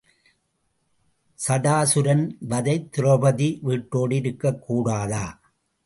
சடாசுரன் வதை திரெளபதி வீட்டோடு இருக்கக்கூடாதா?